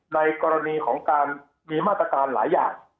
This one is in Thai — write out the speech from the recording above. ในกรณีของการมีมาตรการหลายอย่าง